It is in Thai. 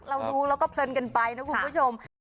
เรารู้แล้วก็เพลินกันไปนะคุณผู้ชม